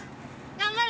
頑張れ。